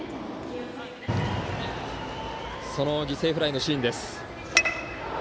その犠牲フライのシーンです。